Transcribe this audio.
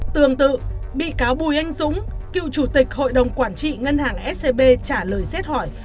tương tự bị cáo bùi anh dũng cựu chủ tịch hội đồng quản trị ngân hàng scb trả lời xét hỏi